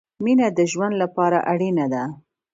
مينه د ژوند له پاره اړينه ده